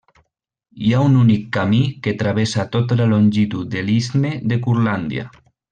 Hi ha un únic camí que travessa tota la longitud de l'Istme de Curlàndia.